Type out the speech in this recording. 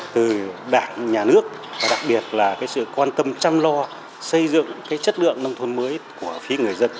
từ đảng nhà nước và đặc biệt là sự quan tâm chăm lo xây dựng chất lượng nông thôn mới của phía người dân